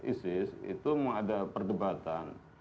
isis itu mengadakan perdebatan